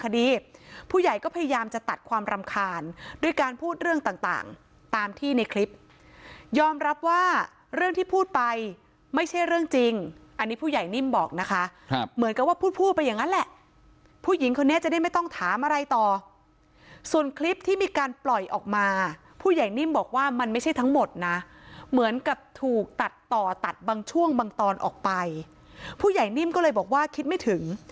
คดีผู้ใหญ่ก็พยายามจะตัดความรำคาญด้วยการพูดเรื่องต่างตามที่ในคลิปยอมรับว่าเรื่องที่พูดไปไม่ใช่เรื่องจริงอันนี้ผู้ใหญ่นิ่มบอกนะคะเหมือนกับว่าพูดพูดไปอย่างนั้นแหละผู้หญิงคนนี้จะได้ไม่ต้องถามอะไรต่อส่วนคลิปที่มีการปล่อยออกมาผู้ใหญ่นิ่มบอกว่ามันไม่ใช่ทั้งหมดนะเหมือนกับถูกตัดต่อตัดบางช่วงบางตอนออกไปผู้ใหญ่นิ่มก็เลยบอกว่าคิดไม่ถึง